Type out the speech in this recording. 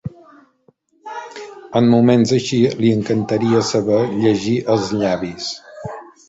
En moments així li encantaria saber llegir els llavis.